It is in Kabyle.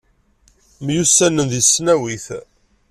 Myussanen deg tesnawit.